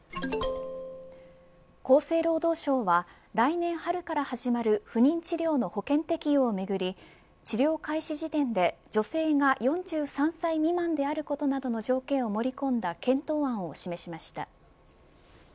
厚生労働省は来年春から始まる不妊治療の保険適用をめぐり治療開始時点で女性が４３歳未満であることなどの条件を盛り込んだ検討案を示しました。